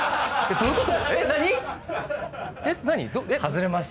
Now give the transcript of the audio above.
どういうこと？